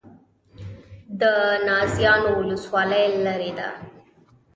د نازیانو ولسوالۍ لیرې ده